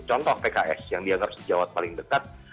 contoh pks yang dianggap sejawat paling dekat